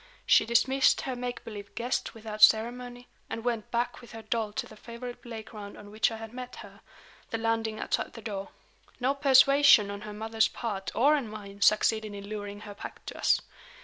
She dismissed her make believe guests without ceremony, and went back with her doll to the favorite play ground on which I had met her the landing outside the door. No persuasion on her mother's part or on mine succeeded in luring her back to us.